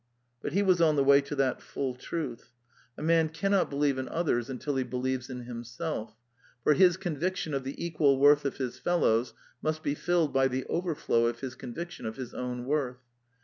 But he was on the way to that full truth. A man cannot believe The Plays 79 in others until he believes in himself; for his con viction of the equal worth of his fellows must be filled by the overflow of his conviction of his own worth.